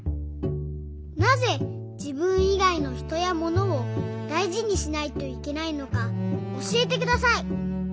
なぜじぶんいがいのひとやものをだいじにしないといけないのかおしえてください。